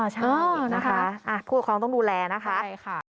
ใช่นะคะผู้ปกครองต้องดูแลนะคะใช่ค่ะ